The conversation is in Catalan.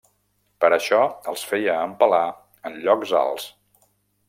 Per això els feia empalar en llocs alts.